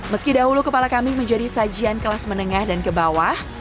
meski dahulu kepala kambing menjadi sajian kelas menengah dan ke bawah